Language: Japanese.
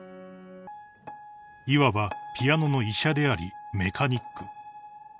［いわばピアノの医者でありメカニック］